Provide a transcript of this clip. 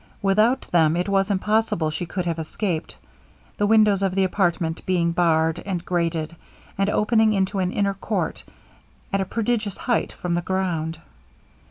Without them it was impossible she could have escaped: the windows of the apartment being barred and grated, and opening into an inner court, at a prodigious height from the ground.